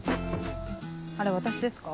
あれ私ですか？